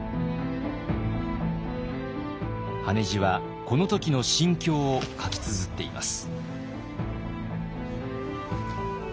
羽地はこの時の心境を書きつづっています。